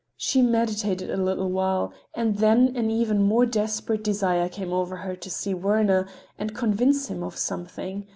She meditated a little while, and then an even more desperate desire came over her to see Werner and to convince him of something.